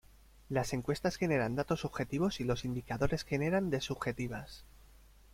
Las encuestas generan datos objetivos y los indicadores generan de subjetivas.